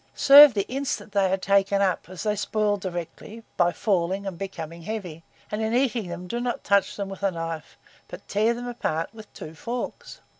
Serve the instant they are taken up, as they spoil directly, by falling and becoming heavy; and in eating them do not touch them with a knife, but tear them apart with two forks.